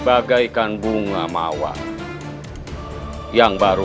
aku bisa memberi